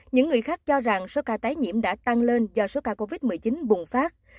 những người khác cho rằng số ca tái nhiễm đã tăng lên do số ca covid một mươi chín bùng phát